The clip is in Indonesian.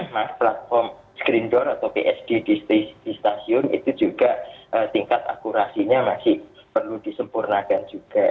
platform screen door atau psd di stasiun itu juga tingkat akurasinya masih perlu disempurnakan juga